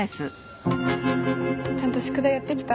ちゃんと宿題やってきた？